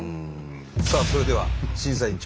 さあそれでは審査員長。